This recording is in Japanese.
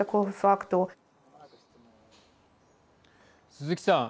鈴木さん。